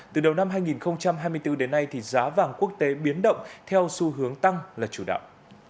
từ đầu năm hai nghìn hai mươi bốn đến nay thì giá vàng quốc tế biến động theo xu hướng tăng là chủ đạo